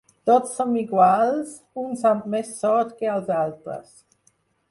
Tots som iguals, uns amb més sort que els altres.